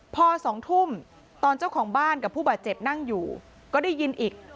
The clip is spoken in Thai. พอ๒ทุ่มตอนเจ้าของบ้านกับผู้บาดเจ็บนั่งอยู่ก็ได้ยินอีก